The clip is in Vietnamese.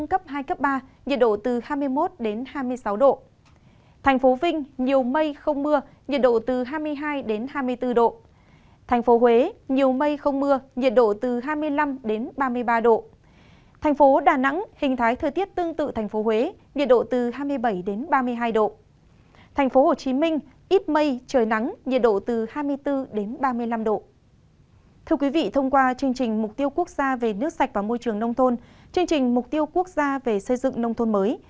chương trình mục tiêu quốc gia về xây dựng nông thôn mới